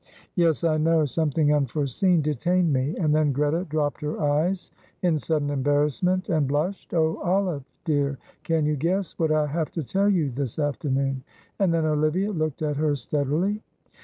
"Yes, I know; something unforeseen detained me," and then Greta dropped her eyes in sudden embarrassment and blushed. "Oh, Olive dear, can you guess what I have to tell you this afternoon?" and then Olivia looked at her steadily.